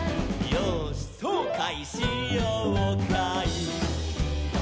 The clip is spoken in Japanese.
「よーしそうかいしようかい」